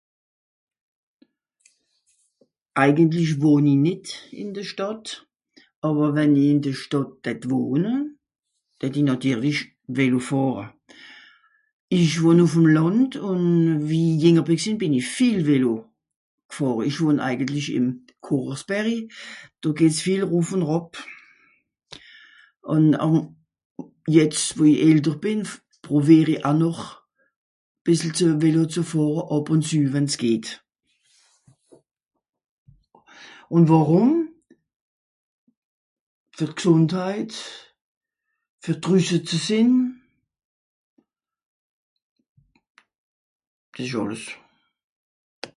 En fait je n'habite pas en ville et su j'y habitais je ne ferai pas de velo j'habite le Kochochsberg, ça monte et ça descend pas mal, j'essaye encore de faire de velo pour voir la nature